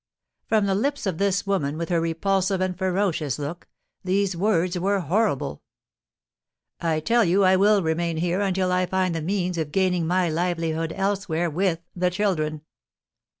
From the lips of this woman, with her repulsive and ferocious look, these words were horrible. "I tell you I will remain here until I find the means of gaining my livelihood elsewhere with the children.